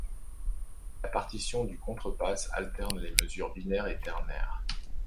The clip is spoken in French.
La partition du contrapàs alterne les mesures binaires et ternaires.